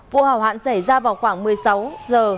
vụ hỏa hoạn xảy ra vào khoảng một mươi sáu giờ